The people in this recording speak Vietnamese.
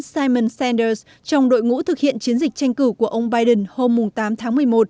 simon sanders trong đội ngũ thực hiện chiến dịch tranh cử của ông biden hôm tám tháng một mươi một